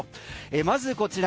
まずこちら。